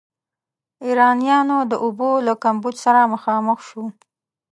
ایرانیانو د اوبو له کمبود سره مخامخ شو.